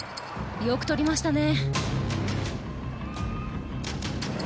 よく取りましたね。